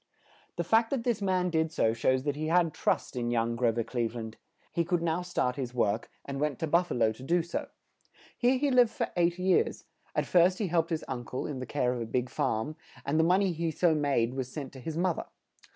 The fact that this man did so shows that he had trust in young Gro ver Cleve land; he could now start his work, and went to Buf fa lo to do so. Here he lived for eight years; at first he helped his un cle, in the care of a big farm, and the mon ey he so made was sent to his moth er.